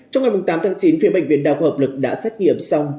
trong ngày tám tháng chín phía bệnh viện đa khoa hợp lực đã xét nghiệm xong